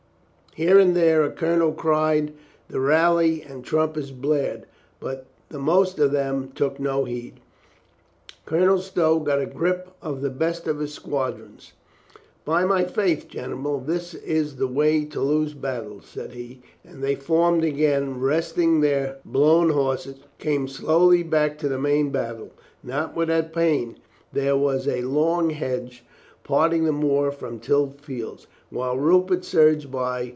Here and there a colonel cried the rally and trumpets blared, but the most of them took no heed. Colonel Stow got a grip of the best of his squadrons. "By my faith, gentlemen, this is the way to lose battles," said he, and they formed again, and resting their blown horses, came slowly back to the main battle. Not without pain. There was a long hedge, part ing the moor from tilled fields. While Rupert surged by.